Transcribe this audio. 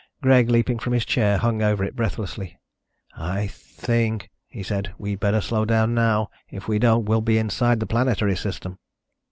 Greg, leaping from his chair, hung over it, breathlessly. "I think," he said, "we better slow down now. If we don't, we'll be inside the planetary system."